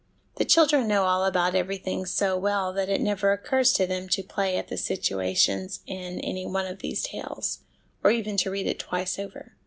The children know all about everything so well that it never occurs to them to play at the situations in any one of these tales, or even to read it twice over.